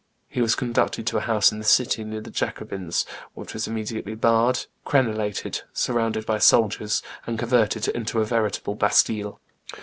He was conducted to a house in the city, near the Jacobins', which was immediately barred, crenelated, surrounded by soldiers, and converted into a veritable bastile.